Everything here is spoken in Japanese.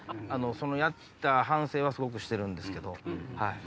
そのやった反省はすごくしてるんですけど。